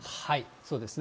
そうですね。